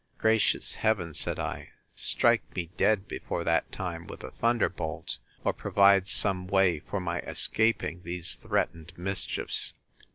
Gracious Heaven, said I, strike me dead, before that time, with a thunderbolt, or provide some way for my escaping these threatened mischiefs!